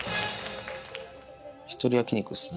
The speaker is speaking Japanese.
１人焼き肉っすね。